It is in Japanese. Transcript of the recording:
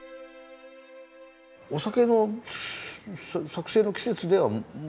お酒の作製の季節ではもうない。